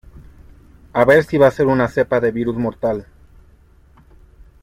a ver si va a ser una cepa de virus mortal.